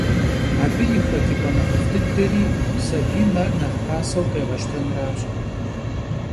Абы и хэкӏыпӏэ нэхъыфӏ дыдэри сабийм ар нэхъ пасэу къегъэщтэнращ.